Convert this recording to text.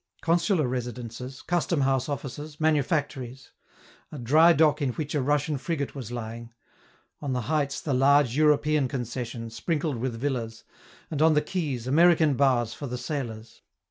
Consular residences, custom house offices, manufactories; a dry dock in which a Russian frigate was lying; on the heights the large European concession, sprinkled with villas, and on the quays, American bars for the sailors.